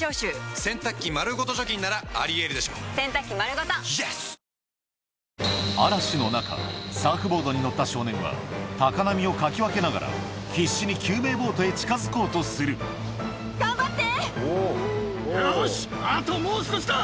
だが嵐の中サーフボードに乗った少年は高波をかき分けながら必死に救命ボートへ近づこうとするよし。